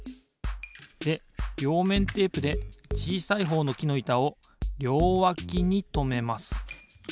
でりょうめんテープでちいさいほうのきのいたをりょうわきにとめます。